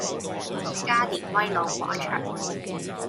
加連威老廣場